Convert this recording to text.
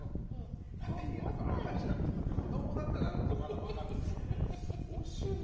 赤ちゃんとか子供だったらまだ分かるんですけどご主人。